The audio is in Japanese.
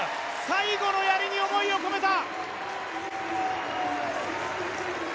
最後のやりに思いを込めた！